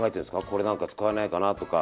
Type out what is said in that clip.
これ何か使えないかなとか？